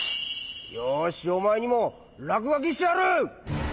よしおまえにもらくがきしてやる。